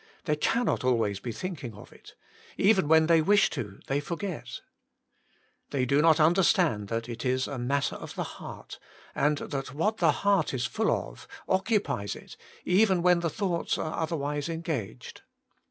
They cannot be always thinking of it Even when they wish to, they forget They do not understand that it is a matter of the heart, and that what the heart is full of, occupies it, even when the thoughts are other wise engaged.